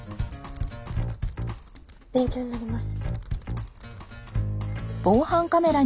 勉強になります。